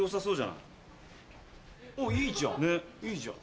いいじゃん。